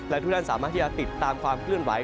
และทุกท่านสามารถที่จะติดตามความเคลื่อนไหว